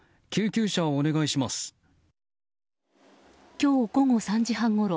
今日午後３時半ごろ